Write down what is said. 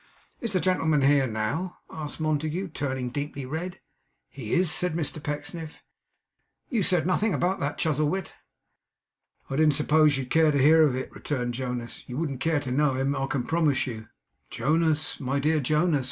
'Is the gentleman here now?' asked Montague, turning deeply red. 'He is,' said Mr Pecksniff. 'You said nothing about that, Chuzzlewit.' 'I didn't suppose you'd care to hear of it,' returned Jonas. 'You wouldn't care to know him, I can promise you.' 'Jonas! my dear Jonas!